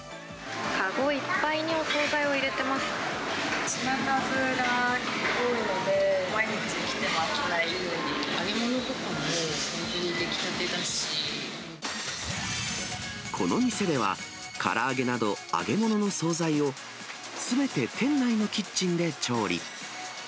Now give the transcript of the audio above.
籠いっぱいにお総菜を入れて品数が多いので、揚げ物とかも本当に出来たてこの店では、から揚げなど揚げ物の総菜をすべて店内のキッチンで調理。